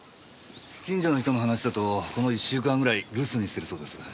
近所の人の話だとこの１週間ぐらい留守にしてるそうです。